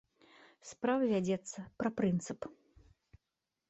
Справа вядзецца пра прынцып.